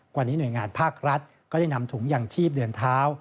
วันนี้หน่วยงานภาครัฐก็ได้นำถุงยังชีพเดินเท้า